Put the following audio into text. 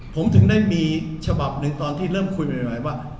ผมถึงได้มีฉบับหนึ่งตอนที่เริ่มคุยใหม่ว่า